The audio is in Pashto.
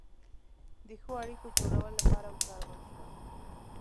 د ښو اړیکو جوړولو لپاره وکارول شوه.